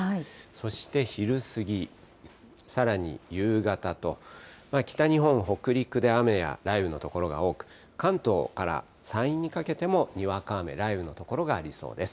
そして昼過ぎ、さらに夕方と、北日本、北陸で雨や雷雨の所が多く、関東から山陰にかけてもにわか雨、雷雨の所がありそうです。